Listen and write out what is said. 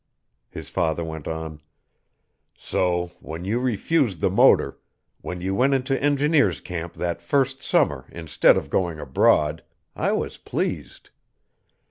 His father went on: "So when you refused the motor, when you went into engineer's camp that first summer instead of going abroad, I was pleased.